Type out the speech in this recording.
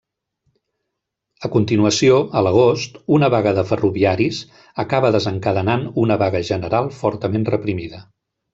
A continuació, a l'Agost, una vaga de ferroviaris acaba desencadenant una vaga general fortament reprimida.